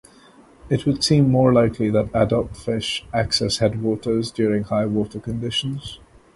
It would seem more likely that adult fish access headwaters during high water conditions.